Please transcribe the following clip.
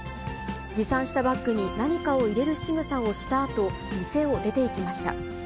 持参したバッグに何かを入れるしぐさをしたあと、店を出ていきました。